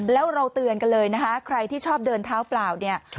แล้วเราเตือนกันเลยนะคะใครที่ชอบเดินเท้าเปล่าเนี่ย